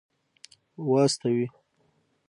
واستوي.